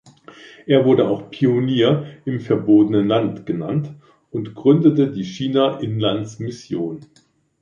Er wurde auch "Pionier im verbotenen Land" genannt und gründete die China-Inland-Mission.